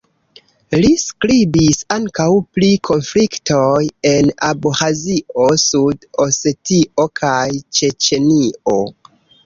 Li skribis ankaŭ pri konfliktoj en Abĥazio, Sud-Osetio kaj Ĉeĉenio.